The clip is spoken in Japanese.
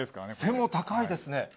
背も高いですね。